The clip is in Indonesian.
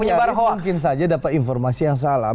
bang anjarin mungkin saja dapat informasi yang salah